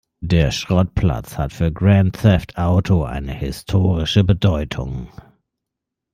Der Schrottplatz hat für Grand Theft Auto eine historische Bedeutung.